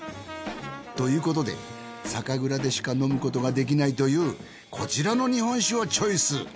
ということで酒蔵でしか飲むことができないというこちらの日本酒をチョイス。